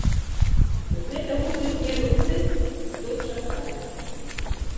Гэта гудуць нервы тых, хто чакае.